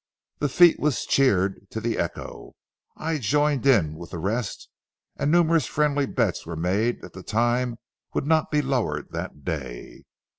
The feat was cheered to the echo, I joining with the rest, and numerous friendly bets were made that the time would not be lowered that day.